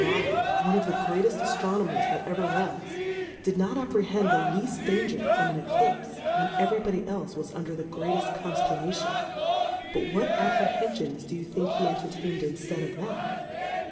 abe^ ( one of the greatcft Aftronomers that ever was, ) did not apprehend the leaft Danger from an EcHpfe, when e very Body elfe was under the greateil Confternation ; but what Apprehenfi* ons do you think he entertain'd inftead of them